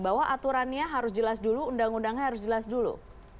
bahwa aturannya harus jelas dulu undang undangnya harus jelas dulu